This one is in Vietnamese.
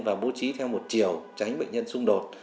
và bố trí theo một chiều tránh bệnh nhân xung đột